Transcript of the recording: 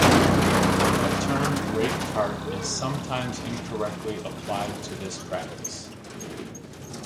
The term "rate tart" is sometimes incorrectly applied to this practice.